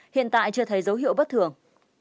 hiện tại chưa thấy dấu hiệu bất thường